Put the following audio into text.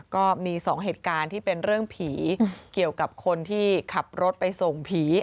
ก็มีสองเหตุการณ์ที่เป็นเรื่องผีเกี่ยวกับคนที่ขับรถไปส่งผี